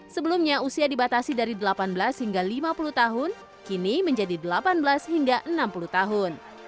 sebelumnya usia dibatasi dari delapan belas hingga lima puluh tahun kini menjadi delapan belas hingga enam puluh tahun